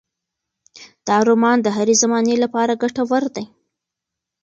دا رومان د هرې زمانې لپاره ګټور دی.